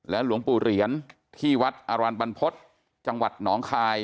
หลวงปู่เหรียญที่วัดอรันบรรพฤษจังหวัดหนองคาย